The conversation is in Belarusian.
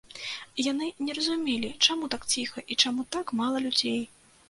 Яны не разумелі, чаму так ціха і чаму так мала людзей.